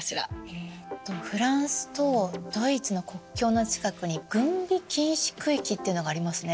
えっとフランスとドイツの国境の近くに軍備禁止区域ってのがありますね。